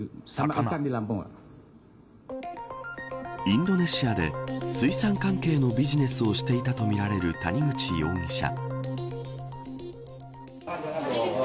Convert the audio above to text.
インドネシアで水産関係のビジネスをしていたとみられる谷口容疑者。